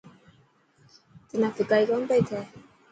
تنا ڦڪائي ڪونه پئي ٿي.